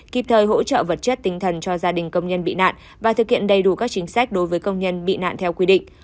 kịp thời hỗ trợ vật chất tinh thần cho gia đình công nhân bị nạn và thực hiện đầy đủ các chính sách đối với công nhân bị nạn theo quy định